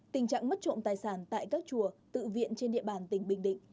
tình trạng mất trộm tài sản tại các chùa tự viện trên địa bàn tỉnh bình định